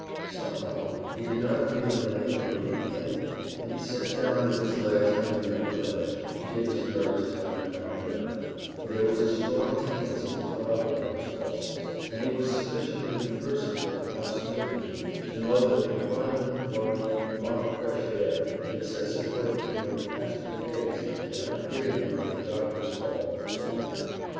Somehow he did not feel in any hurry to begin, and he sat down with his legs hanging over the ledge, to give his nerves time to calm down, for there was a strong tendency to throb about his pulses, and he was not sufficiently conversant with the house he lived in, to know that confinement, worry, want of fresh air, and excessive work during the past few days had not given him what the doctors call "tone."